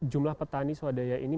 jumlah petani swadaya ini